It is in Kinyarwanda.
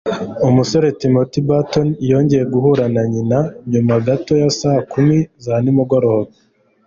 Umusore Timothy Burton yongeye guhura na nyina nyuma gato ya saa kumi za nimugoroba.